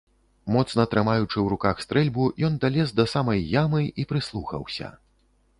Моцна трымаючы ў руках стрэльбу, ён далез да самай ямы і прыслухаўся.